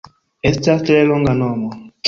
Estas tre longa nomo